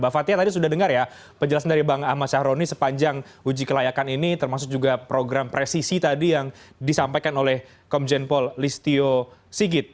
mbak fathia tadi sudah dengar ya penjelasan dari bang ahmad syahroni sepanjang uji kelayakan ini termasuk juga program presisi tadi yang disampaikan oleh komjen paul listio sigit